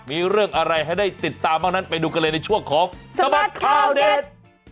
มีเรื่องอะไรให้ได้ติดตามบ้างนั้นไปดูกันเลยในช่วงของสบัดข่าวเด็ด